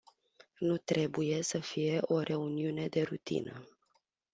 Nu trebuie să fie o reuniune de rutină.